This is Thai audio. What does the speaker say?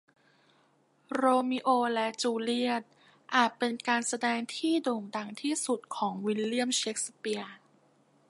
โรมิโอและจูเลียตอาจเป็นการแสดงที่โด่งดังที่สุดของวิลเลียมเชกสเปียร์